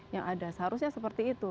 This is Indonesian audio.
yang ada seharusnya seperti itu